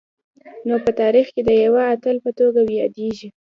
نو په تاریخ کي د یوه اتل په توګه یادیږي